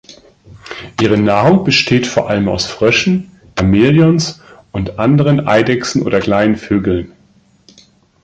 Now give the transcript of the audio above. Ihre Nahrung besteht vor allem aus Fröschen, Chamäleons und anderen Eidechsen oder kleinen Vögeln.